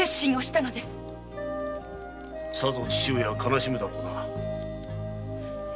さぞ父上は悲しむだろうな。